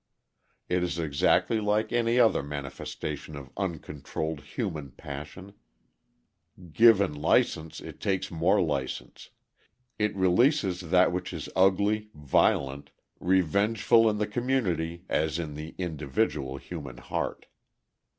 It is exactly like any other manifestation of uncontrolled human passion given licence it takes more licence, it releases that which is ugly, violent, revengeful in the community as in the individual human heart.